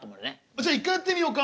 じゃあ一回やってみようか？